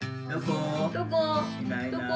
どこ？